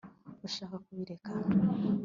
urashaka kubireka